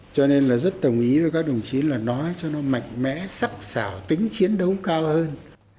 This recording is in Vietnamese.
cho nên là rất đồng ý với các đồng chí là nói cho nó mạnh mẽ sắc xảo tính chiến đấu cao hơn